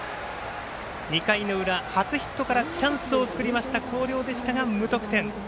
２回の裏、初ヒットからチャンスを作りました広陵でしたが無得点。